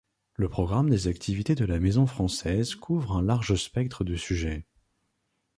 Le programme des activités de la Maison française couvre un large spectre de sujets.